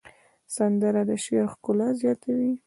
سندره د شعر ښکلا زیاتوي